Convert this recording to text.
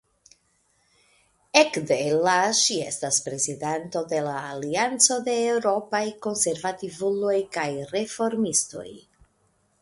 Ekde la ŝi estas prezidanto de la Alianco de Eŭropaj Konservativuloj kaj Reformistoj.